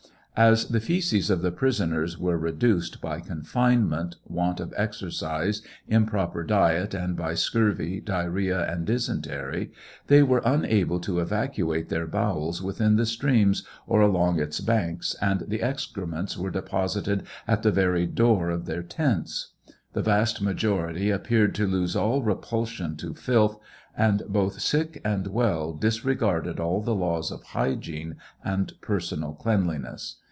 As the fseces of the prisoners were reduced by confinement, want of exercise, improper diet and by scurvy, diarrhoea, and dysentery, they were unable to evacuate their bowels within the stream, or along its banks, and the excrements were deposited at the very door of their tents. The vast majority appeared to lose all repulsion to filth, and both sick and well disregarded all the laws of hygiene and personal cleanliness.